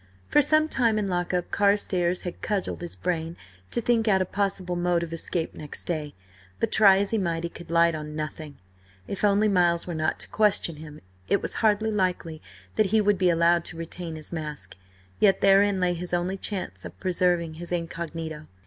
For some time in lock up Carstares had cudgelled his brain to think out a possible mode of escape next day, but try as he might he could light on nothing. If only Miles were not to question him! It was hardly likely that he would be allowed to retain his mask, yet therein lay his only chance of preserving his incognito.